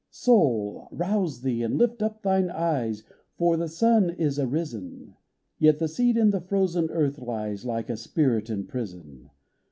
— Soul, rouse thee, and lift up thine eyes, For the sun is arisen ! Yet the seed in the frozen earth lies Like a spirit in prison.